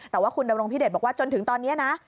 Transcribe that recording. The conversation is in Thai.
แต่ว่าคุณดำรงพิเดชบอกว่าจนถึงตอนนี้นะ